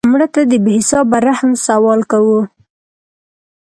مړه ته د بې حسابه رحم سوال کوو